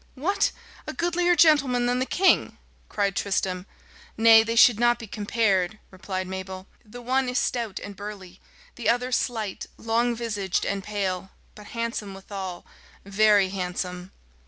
"What! a goodlier gentleman than the king!" cried Tristram. "Nay, they should not be compared," replied Mabel: "the one is stout and burly; the other slight, long visaged, and pale, but handsome withal very handsome."